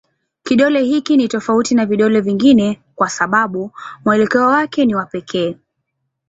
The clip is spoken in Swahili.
Kidole hiki ni tofauti na vidole vingine kwa sababu mwelekeo wake ni wa pekee.